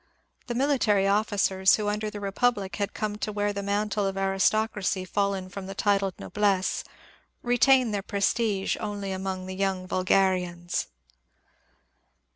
The military officers, who under the republic had come to wear the mantle of aristocracy fallen from the titled noblesse^ retain their pres tige only among the young vulg; arians.